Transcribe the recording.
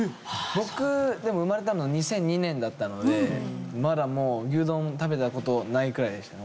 僕生まれたのが２００２年だったのでまだもう牛丼食べた事ないくらいでしたね本当。